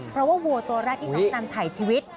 เพราะว่าวัวตัวแรกที่น้องนำถ่ายชีวิต